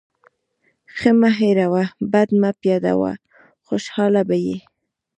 ښه مه هېروه، بد مه پیاده وه. خوشحاله به يې.